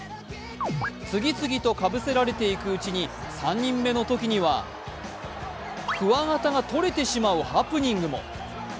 次々とかぶせられていくうちに３人目のときにはくわ形がとれてしまうハプニングも。